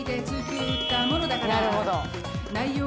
なるほど。